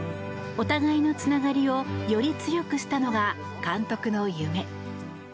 お互いのつながりをより強くしたのが監督の夢。